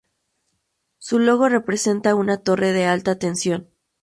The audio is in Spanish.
Su logo representa una torre de alta tensión.